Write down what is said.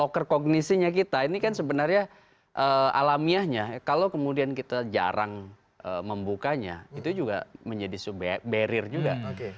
loker kognisinya kita ini kan sebenarnya alamiahnya kalau kemudian kita jarang membukanya itu juga menjadi barrier juga